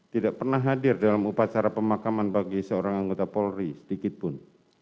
tidak pernah hadir dalam upacara pemakaman bagi seorang anggota polri sedikitpun